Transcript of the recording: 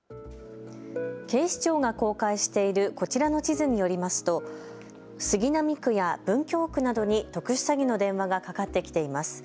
警視庁が公開しているこちらの地図によりますと杉並区や文京区などに特殊詐欺の電話がかかってきています。